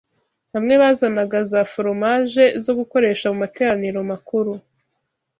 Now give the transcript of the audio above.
Bamwe bazanaga za foromaje zo gukoresha mu materaniro makuru